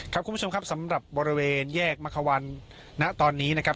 คุณผู้ชมครับสำหรับบริเวณแยกมะควันณตอนนี้นะครับ